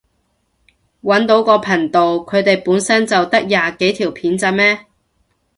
搵到個頻道，佢哋本身就得廿幾條片咋咩？